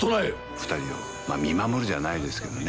二人を見守るじゃないですけどね